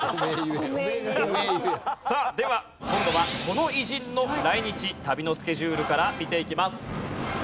さあでは今度はこの偉人の来日旅のスケジュールから見ていきます。